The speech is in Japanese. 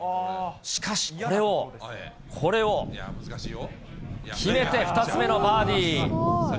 しかし、これを、これを、決めて２つ目のバーディー。